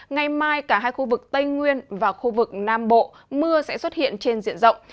ngày mai cả hai khu vực tây nguyên và khu vực nam bộ mưa sẽ xuất hiện trên diện rộng